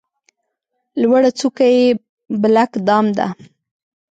لوړه څوکه یې بلک دام ده.